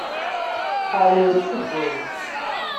Tɛawen-iyi seg wul.